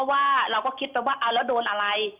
แต่เราก็คิดว่าแล้วโดนอะไร